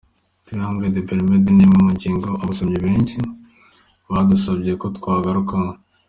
Triangle des Bermude ni imwe mu ngingo abasomyi benshi badusabye ko twagarukaho.